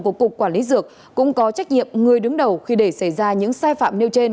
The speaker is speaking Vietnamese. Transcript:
của cục quản lý dược cũng có trách nhiệm người đứng đầu khi để xảy ra những sai phạm nêu trên